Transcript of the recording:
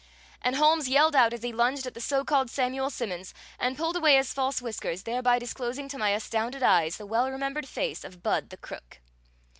And Holmes yelled out as he lunged at the so called Samuel Simmons and pulled away his false whiskers, thereby disclosing to my astounded eyes the well remembered face of Budd the crook.